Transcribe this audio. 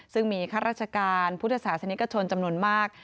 ซึ่งมีข้าราชการพุทธศาสนิกชนจำนวนมาก